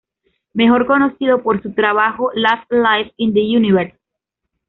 Mejor conocido por su trabajo, Last Life in the Universe.